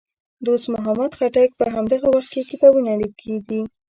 دوست محمد خټک په همدغه وخت کې کتابونه لیکي دي.